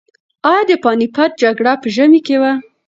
ایا د پاني پت جګړه په ژمي کې وه؟